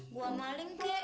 gua maling kek